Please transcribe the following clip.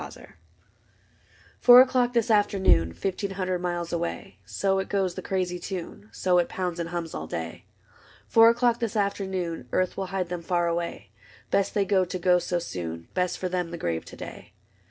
CORTEGE Four o'clock this afternoon. Fifteen hundred miles away : So it goes, the crazy tune. So it pounds and hums all day. Four o'clock this afternoon, Earth will hide them far away : Best they go to go so soon. Best for them the grave to day.